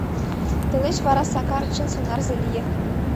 Тылеч вара Сакар чын сонарзе лие.